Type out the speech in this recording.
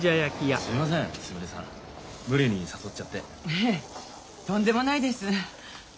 いえとんでもないです。